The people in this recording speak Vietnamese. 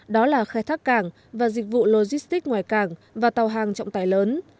đó là khai thác cảng và dịch vụ logistics ngoài cảng và tàu hàng trọng tài lớn